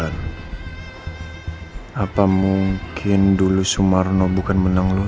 apakah mungkin dulu sumarno bukan menang lotre